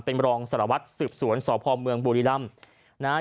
เป็นรองสลวัสดิ์สืบสวนสพเมืองบุรีรำ